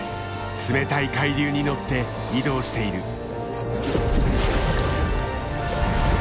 冷たい海流に乗って移動している。